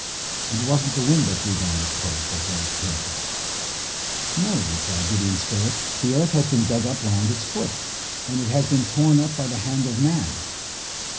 "It wasn't the wind that blew down this post," observed Pencroft. "No," replied Gideon Spilett. "The earth has been dug up round its foot, and it has been torn up by the hand of man."